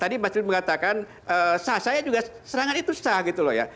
tadi mas rid mengatakan sah saya juga serangan itu sah gitu loh ya